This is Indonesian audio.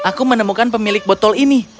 aku menemukan pemilik botol ini